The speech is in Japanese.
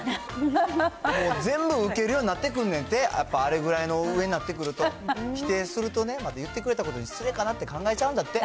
全部受けるようになってくるんやって、やっぱあれぐらいの上になってくると、否定するとね、言ってくれたことに失礼かなって考えちゃうんだって。